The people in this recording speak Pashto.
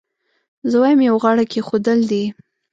زه وایم یو غاړه کېښودل دي.